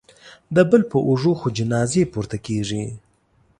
د بل په اوږو خو جنازې پورته کېږي